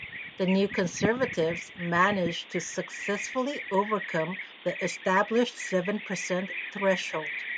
The New Conservatives managed to successfully overcome the established seven percent threshold.